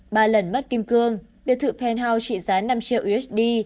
ba lần mất kim cương biệt thự penhouse trị giá năm triệu usd